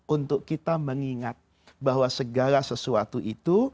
untuk kita mengingat bahwa segala sesuatu itu